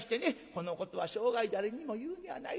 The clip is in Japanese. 「このことは生涯誰にも言うねやないで。